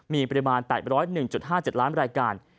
มีปริมาณ๘๐๑๕๗ล้านรายการ